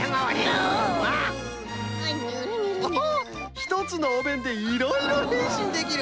１つのおめんでいろいろへんしんできる！